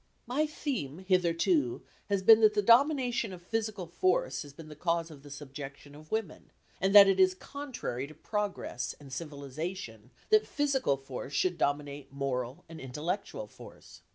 My theme hitherto has been that the domination of physical force has been the cause of the subjection of women, and that it is contrary to progress and civilisation that physical force should dominate moral and intellectual force.